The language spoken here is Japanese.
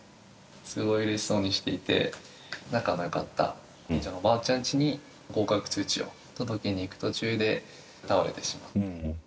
すごいうれしそうにしていて、仲のよかった近所のおばあちゃんちに合格通知を届けに行く途中で倒れてしまって。